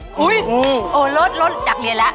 โอ้โหโอ้โหรถรดอยากเรียนแหละ